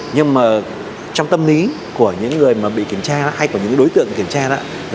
nhưng mà trong tâm lý của những người mà bị kiểm tra hay của những đối tượng kiểm tra đó